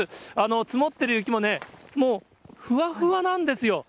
積もってる雪もね、もうふわふわなんですよ。